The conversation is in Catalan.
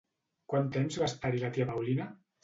Quant temps va estar-hi la tia Paulina?